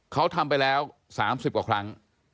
เขาทำไปแล้ว๓๐กว่าครั้ง